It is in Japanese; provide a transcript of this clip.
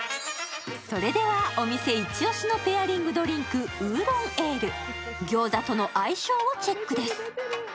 それではお店イチオシのペアリングドリンクウーロンエール、餃子との相性をチェックです。